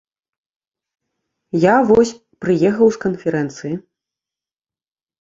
Я вось прыехаў з канферэнцыі.